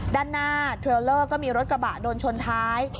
ด้านหน้าเทรลเลอร์ก็มีรถกระบะโดนชนท้าย